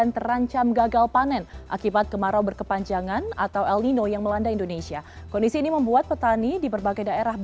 terima kasih atas waktunya